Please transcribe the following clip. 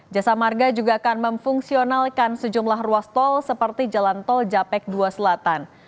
jasa marga juga akan memfungsionalkan sejumlah ruas tol seperti jalan tol japek dua selatan